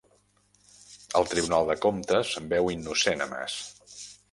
El Tribunal de Comptes veu innocent a Mas